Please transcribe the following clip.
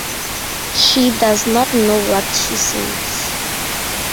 She does not know what she says.